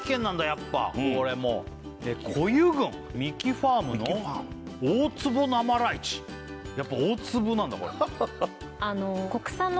やっぱこれも児湯郡ミキファームの大粒生ライチやっぱ大粒なんだ